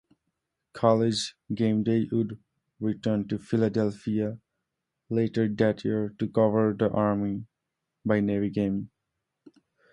College GameDay would return to Philadelphia later that year to cover the Army-Navy Game.